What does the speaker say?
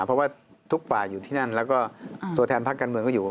เพราะว่าทุกฝ่ายอยู่ที่นั่นแล้วก็ตัวแทนพักการเมืองก็อยู่